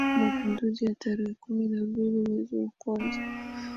Mapinduzi ya tarehe kumi na mbili mwezi wa kwanza